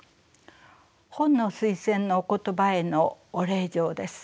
本の推薦のお言葉へのお礼状です。